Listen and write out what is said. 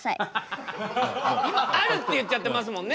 「ある」って言っちゃってますもんね。